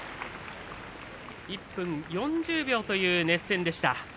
１分４０秒という熱戦でした。